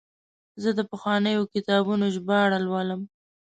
زه د پخوانیو کتابونو ژباړه لولم.